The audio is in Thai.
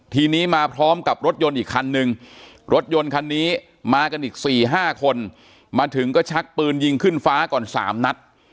ทีนี้มาพร้อมกับรถยนต์อีกคันนึงรถยนต์คันนี้มากันอีก๔๕คนมาถึงก็ชักปืนยิงขึ้นฟ้าก่อน๓นัด